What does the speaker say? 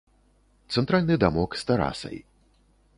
Цэнтральны дамок з тэрасай.